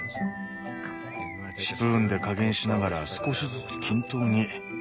スプーンで加減しながら少しずつ均等に。